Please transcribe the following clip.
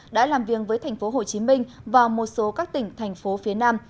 đã làm viêng với tp hcm và một số các tỉnh thành phố phía nam